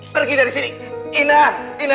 pergi dari sini ina ina